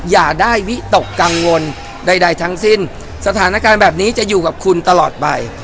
อย่าได้วิตกกังวลใดทั้งสิ้นสถานการณ์แบบนี้จะอยู่กับคุณตลอดไป